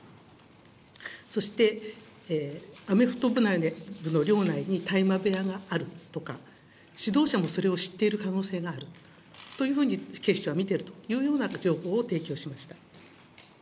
そしてアメフト部内の寮内に大麻部屋があるとか、指導者もそれを知っている可能性があるというふうに警視庁は見ているというような情報を提供しました。